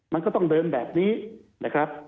มันก็ต้องเดินแบบนี้นะครับ